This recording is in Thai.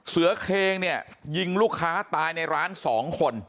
เสือเคงเนี่ยยิงลูกค้าตายในร้าน๒คน